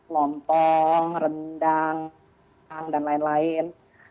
lontong rendang dan lain lain